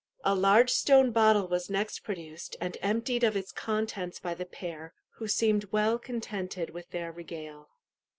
A large stone bottle was next produced and emptied of its contents by the pair, who seemed well contented with their regale.